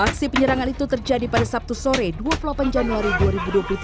aksi penyerangan itu terjadi pada sabtu sore dua puluh delapan januari dua ribu dua puluh tiga